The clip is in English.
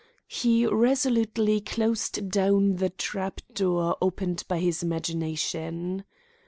He resolutely closed down the trap door opened by his imagination.